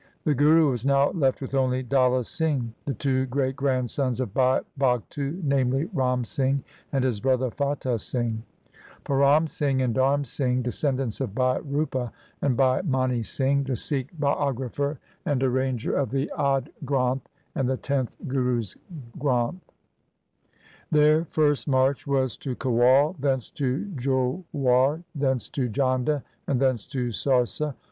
The Guru was now left with only Dalla Singh ; the two great grandsons of Bhai Bhagtu, namely, Ram Singh and his brother Fatah Singh ; Param Singh and Dharm Singh, descendants of Bhai Rupa ; and Bhai Mani Singh, the Sikh biographer and ar ranger of the Ad Granth and the tenth Guru's Granth. Their first march was to Kewal, thence to Jhorar, thence to Jhanda, and thence to Sarsa.